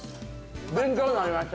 勉強になりました。